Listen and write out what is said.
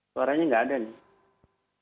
suaranya nggak ada nih